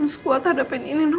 kita harus kuat hadapin ini no